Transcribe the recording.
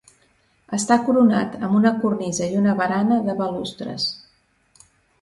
Està coronat amb una cornisa i una barana de balustres.